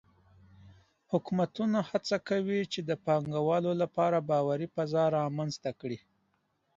حکومتونه هڅه کوي چې د پانګهوالو لپاره باوري فضا رامنځته کړي.